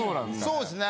そうですね。